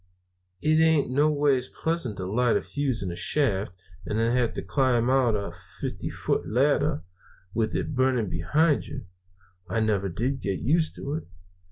"It ain't noways pleasant to light a fuse in a shaft, and then have to climb out a fifty foot ladder, with it burning behind you. I never did get used to it.